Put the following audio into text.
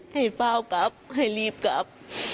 ให้เปล่ากลับให้รีบกลับ